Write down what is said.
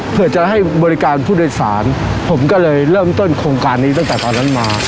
เพื่อจะให้บริการผู้โดยสารผมก็เลยเริ่มต้นโครงการนี้ตั้งแต่ตอนนั้นมา